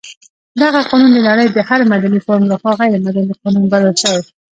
دغه قانون د نړۍ د هر مدني فورم لخوا غیر مدني قانون بلل شوی.